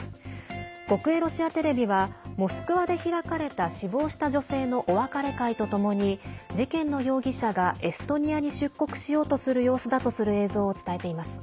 国営ロシアテレビはモスクワで開かれた死亡した女性のお別れ会とともに事件の容疑者がエストニアに出国しようとする様子だとする映像を伝えています。